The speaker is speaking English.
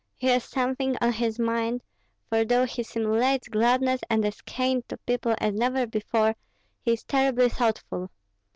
He has something on his mind, for though he simulates gladness and is kind to people as never before, he is terribly thoughtful.